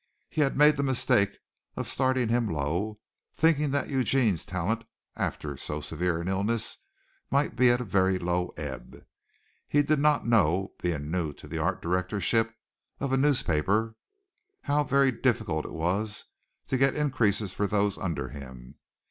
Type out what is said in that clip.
He had made the mistake of starting him low, thinking that Eugene's talent after so severe an illness might be at a very low ebb. He did not know, being new to the art directorship of a newspaper, how very difficult it was to get increases for those under him.